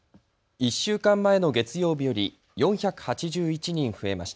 １週間前の月曜日より４８１人増えました。